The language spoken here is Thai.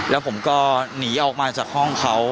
แล้วผมก็หนีออกมาจากห้องเขา